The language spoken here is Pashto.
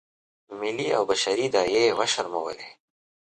ملي او بشري داعیې یې وشرمولې.